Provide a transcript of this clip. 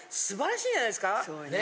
そうよね。